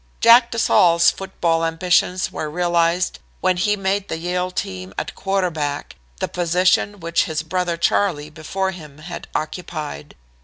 '" Jack de Saulles' football ambitions were realized when he made the Yale team at quarterback, the position which his brother Charlie, before him, had occupied.